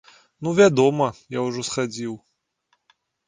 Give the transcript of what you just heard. Ну, вядома, я ўжо схадзіў.